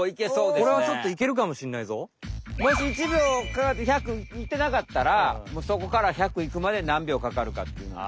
これはちょっともし１秒かかって１００いってなかったらそこから１００いくまで何秒かかるかっていうのを。